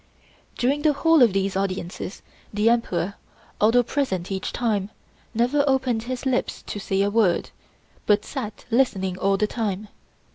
During the whole of these audiences the Emperor, although present each time, never opened his lips to say a word, but sat listening all the time.